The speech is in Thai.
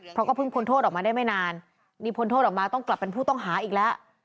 เพราะก็เพิ่งพ้นโทษออกมาได้ไม่นานนี่พ้นโทษออกมาต้องกลับเป็นผู้ต้องหาอีกแล้ว